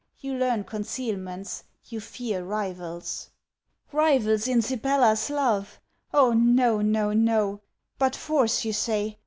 You learn concealments. You fear rivals! Rivals in Sibella's love! Oh, no! no! no! But force you say.